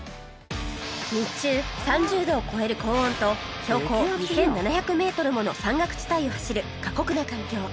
日中３０度を超える高温と標高２７００メートルもの山岳地帯を走る過酷な環境